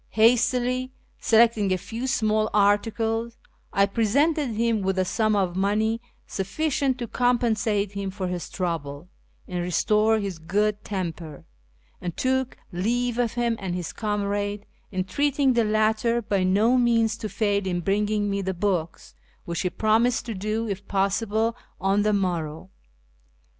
Hastily selecting a few small articles, I presented him with a sum of money sufficient to compensate him for his trouble and restore his good temper, and took leave of him and his comrade, entreating the latter by no means to fail in bringing me the books, which he promised to do, if possible, on the morrow.